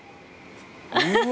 うわ。